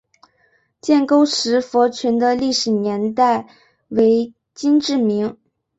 建沟石佛群的历史年代为金至明。